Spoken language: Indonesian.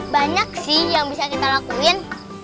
banyak sih yang bisa kita lakuin